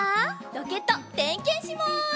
ロケットてんけんします。